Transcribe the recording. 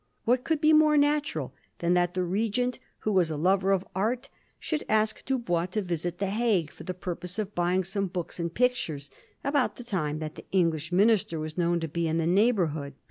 What could be more natural than that the Regent, who was a lover of art, should ask Dubois to visit the Hague, for the purpose of buying some books and pictures, about the time that the English minister was known to be in the neighbourhood